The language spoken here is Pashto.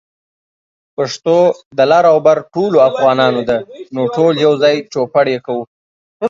پښتو د لر او بر ټولو افغانانو ده، نو ټول يوځای چوپړ يې کوو